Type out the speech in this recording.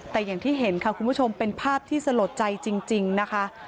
แต่อย่างที่เห็นค่ะคุณผู้ชมเป็นภาพที่สลดใจจริงนะคะ